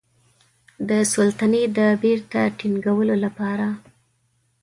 د سلطې د بیرته ټینګولو لپاره.